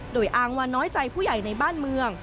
โดยอ้างว่าน้อยใจผู้ใหญ่ในบ้านเมือง